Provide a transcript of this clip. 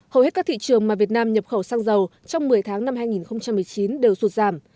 hầu hết các thị trường mà việt nam nhập khẩu xăng dầu trong một mươi tháng năm hai nghìn một mươi chín đều sụt giảm